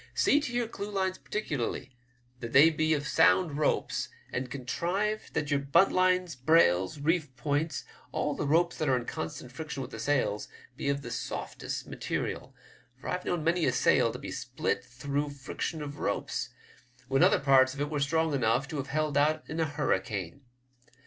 See to your clewlines particularly, that they be sound ropes, and contrive that your buntlines, brails, reef points — all the ropes that are in constant friction with the sails — be of the softest material, for I've known many a sail to be split through friction of ropes, when other parts of it were strong enough to have held out in a hurricane.